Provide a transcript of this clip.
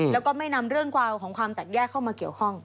แล้วก็ไม่นำเรื่องราวของความแตกแยกเข้ามาเกี่ยวข้อง